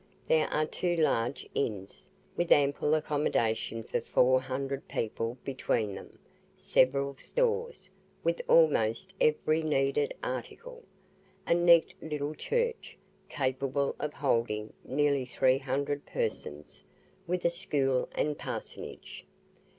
There are two large inns, with ample accommodation for four hundred people between them, several stores, with almost every needful article. A neat little church, capable of holding nearly three hundred persons, with a school and parsonage.